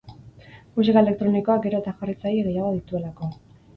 Musika elektronikoak gero eta jarraitzaile gehiago dituelako.